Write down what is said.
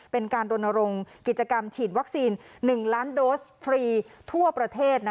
เป็นการโดนโรงกิจกรรมฉีดวัคซีนหนึ่งล้านโดสต์ฟรีทั่วประเทศนะคะ